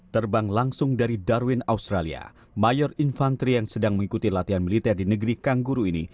terbang langsung dari darwin australia mayor infanteri yang sedang mengikuti latihan militer di negeri kangguru ini